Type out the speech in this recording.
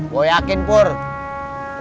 gua yakin purr